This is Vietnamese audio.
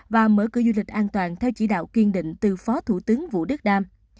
và mở cửa du lịch an toàn theo chỉ đạo kiên định từ phó thủ tướng vũ đức đam